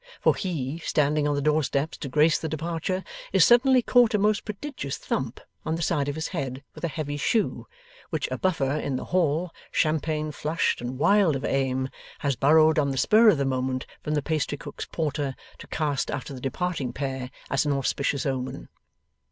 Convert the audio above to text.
For he, standing on the doorsteps to grace the departure, is suddenly caught a most prodigious thump on the side of his head with a heavy shoe, which a Buffer in the hall, champagne flushed and wild of aim, has borrowed on the spur of the moment from the pastrycook's porter, to cast after the departing pair as an auspicious omen.